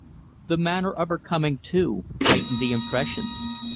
The manner of her coming, too, heightened the impression.